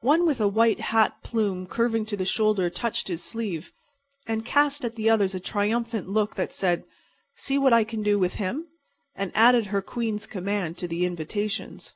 One with a white hat plume curving to the shoulder touched his sleeve, and cast at the others a triumphant look that said: "See what I can do with him?" and added her queen's command to the invitations.